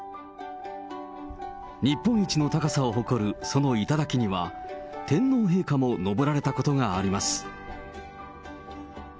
日本一の高さを誇るその頂には、天皇陛下も登られたことがあります。